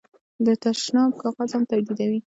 د تشناب کاغذ هم تولیدوي.